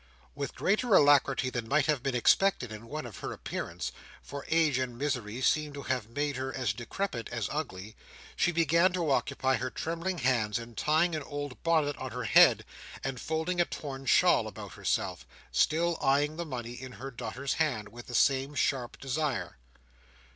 With greater alacrity than might have been expected in one of her appearance—for age and misery seemed to have made her as decrepit as ugly—she began to occupy her trembling hands in tying an old bonnet on her head, and folding a torn shawl about herself: still eyeing the money in her daughter's hand, with the same sharp desire.